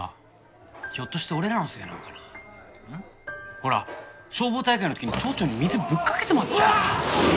ほら消防大会の時に町長に水ぶっかけてまったやろ。